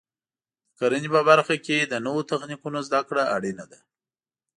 د کرنې په برخه کې د نوو تخنیکونو زده کړه اړینه ده.